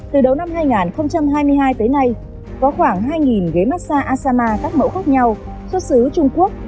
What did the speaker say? từ đầu năm hai nghìn hai mươi hai tới nay có khoảng hai ghế massa asama các mẫu khác nhau xuất xứ trung quốc